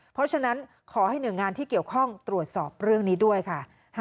เพราะฉะนั้นขอให้หน่วยงานที่เกี่ยวข้องตรวจสอบเรื่องนี้ด้วยค่ะ